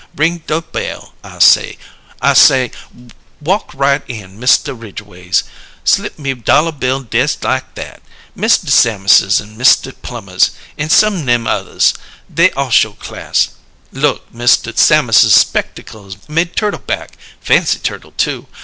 Ring do' bell. I say, I say: 'Walk right in, Mista Ridgways.' Slip me dollah bill dess like that! Mista Sammerses an' Mista Plummers, an' some nem others, they all show class. Look Mista Sammerses' spectickles made turtle back; fancy turtle, too.